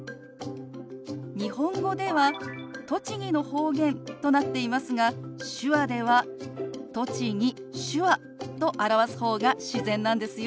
日本語では「栃木の方言」となっていますが手話では「栃木」「手話」と表す方が自然なんですよ。